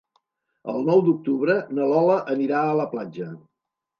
El nou d'octubre na Lola anirà a la platja.